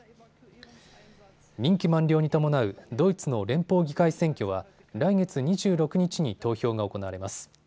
任期満了に伴うドイツの連邦議会選挙は来月２６日に投票が行われます。